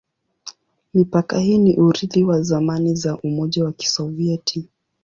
Mipaka hii ni urithi wa zamani za Umoja wa Kisovyeti.